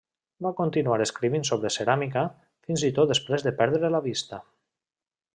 Va continuar escrivint sobre ceràmica, fins i tot després de perdre la vista.